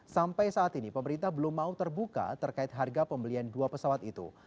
sampai saat ini pemerintah belum mau terbuka terkait harga pembelian dua pesawat itu